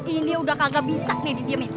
ini udah kagak bisa nih didiamin